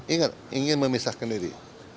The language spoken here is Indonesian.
ingat ingin memisahkan diri